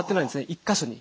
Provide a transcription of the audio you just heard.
１か所に。